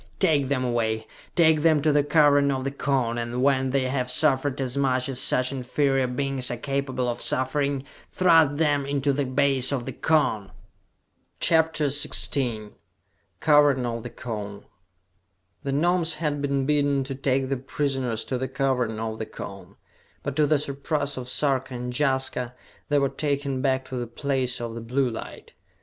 "Take them away! Take them to the Cavern of the Cone, and when they have suffered as much as such inferior beings are capable of suffering, thrust them into the base of the Cone!" CHAPTER XVI Cavern of the Cone The Gnomes had been bidden to take the prisoners to the Cavern of the Cone, but to the surprise of Sarka and Jaska, they were taken back to the Place of the Blue Light!